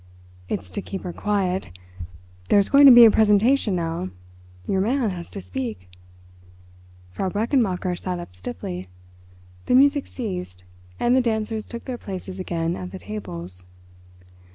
It's to keep her quiet. There's going to be a presentation now—your man has to speak." Frau Brechenmacher sat up stiffly. The music ceased, and the dancers took their places again at the tables.